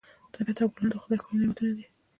طبیعت او ګلونه د خدای ښکلي نعمتونه دي.